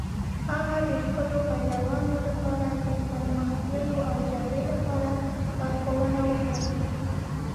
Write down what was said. هغه د خپلو پیروانو لپاره د پرمخ تللو او جګړې لپاره لارښوونه وکړه.